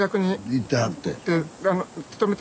行ってはって。